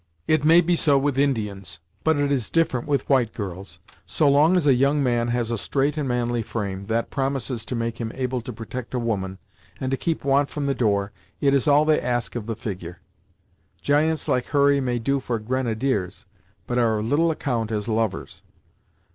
"It may be so with Indians; but it is different with white girls. So long as a young man has a straight and manly frame, that promises to make him able to protect a woman, and to keep want from the door, it is all they ask of the figure. Giants like Hurry may do for grenadiers, but are of little account as lovers.